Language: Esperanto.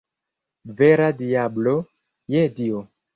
Vera diablo, je Dio!